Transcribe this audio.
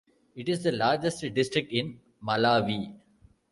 It is the largest district in Malawi.